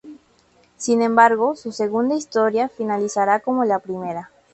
Sin embargo, su segunda ´historia´ finalizará como la primera.